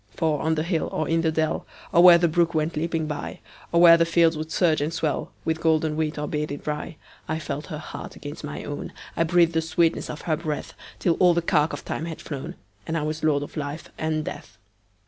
For on the hill or in the dell, Or where the brook went leaping byOr where the fields would surge and swellWith golden wheat or bearded rye,I felt her heart against my own,I breathed the sweetness of her breath, Till all the cark of time had flown, And I was lord of life and death.